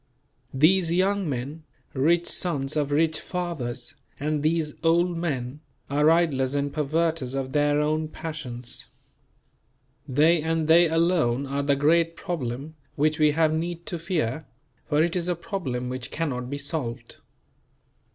These young men, rich sons of rich fathers, and these old men, are idlers and perverters of their own passions. They and they alone are the great problem which we have need to fear; for it is a problem which cannot be solved.